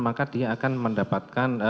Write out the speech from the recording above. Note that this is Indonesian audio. maka dia akan mendapatkan